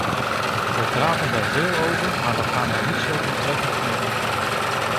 We praten daar veel over, maar we gaan er niet zo doeltreffend mee om.